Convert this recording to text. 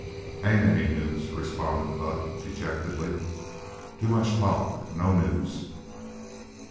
"Ain't any news," responded Buck dejectedly. "Too much talk; no news."